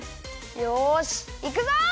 よしいくぞ！